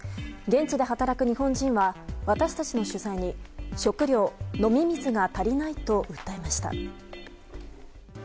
現地で働く日本人は私たちの取材に食料、飲み水が足りないと訴えました。